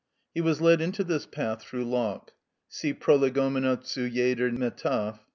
He was led into this path through Locke (see _Prolegomena zu jeder Metaph.